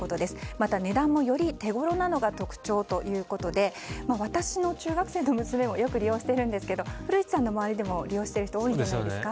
また、値段もより手ごろなのが特徴ということで私の中学生の娘もよく利用しているんですが古市さんの周りでも利用している人は多いですか？